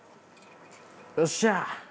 よっしゃ！